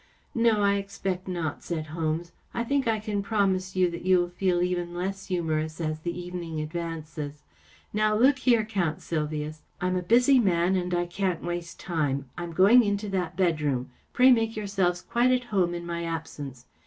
" No, I expect not," said Holmes. " I think I can promise you that you will feel even less humorous as the evening advances. Now, look here, Count Sylvius. I'm a busy man and I can't waste time. I'm going into that bedroom. Pray make yourselves quite at home in my absence.